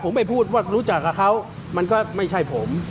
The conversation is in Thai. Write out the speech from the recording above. ผมไปพูดว่ารู้จักกับเขามันก็ไม่ใช่ผม